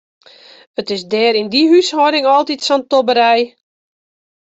It is dêr yn dy húshâlding altyd sa'n tobberij.